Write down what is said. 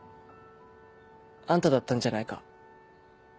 あんただったんじゃないか？